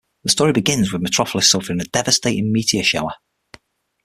The story begins with Metropolis suffering a devastating meteor shower.